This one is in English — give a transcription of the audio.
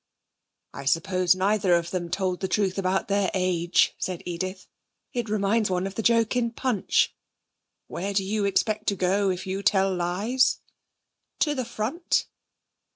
'I suppose neither of them told the truth about their age,' said Edith. 'It reminds one of the joke in Punch: "Where do you expect to go if you tell lies? To the front."'